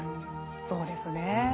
そうですねえ。